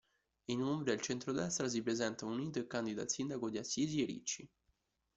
In Umbria il centro-destra si presenta unito e candida il sindaco di Assisi Ricci.